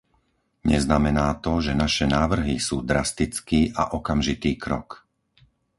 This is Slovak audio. Neznamená to, že naše návrhy sú drastický a okamžitý krok.